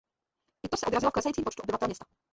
I to se odrazilo v klesajícím počtu obyvatel města.